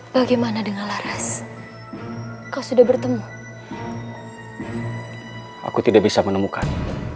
bagaimana dengan laras kau sudah bertemu aku tidak bisa menemukan